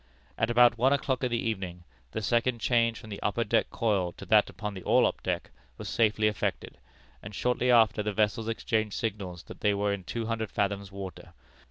"At about one o'clock in the evening, the second change from the upper deck coil to that upon the orlop deck was safely effected, and shortly after the vessels exchanged signals that they were in two hundred fathoms water.